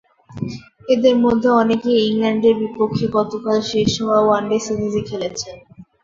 এঁদের মধ্যে অনেকেই ইংল্যান্ডের বিপক্ষে গতকাল শেষ হওয়া ওয়ানডে সিরিজে খেলেছেন।